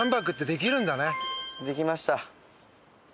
できました。